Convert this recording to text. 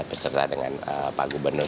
berserta dengan pak gubernur